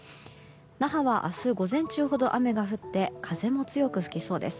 那覇は明日午前中ほど雨が降って風も強く吹きそうです。